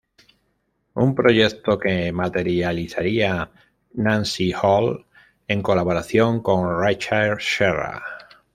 Un proyecto que materializaría Nancy Holt en colaboración con Richard Serra.